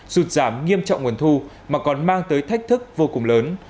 sụt giảm nghiêm trọng nguồn thu mà còn mang tới thách thức vô cùng lớn